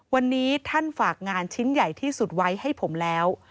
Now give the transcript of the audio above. วันนี้ท่านฝากงานชิ้นใหญ่ที่สุดไว้ให้ผมแล้ว